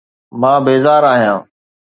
مان بيزار آهيان